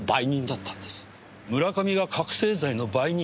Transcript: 村上が覚せい剤の売人？